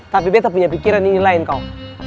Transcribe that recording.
tapi betta punya pikiran ini lain kau